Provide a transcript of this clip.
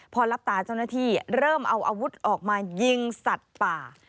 พอรับตาเจ้าหน้าที่เริ่มเอาอาวุธออกมายิงสัตว์ป่า